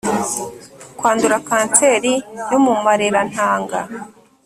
Kwandura kanseri yo mumarera ntanga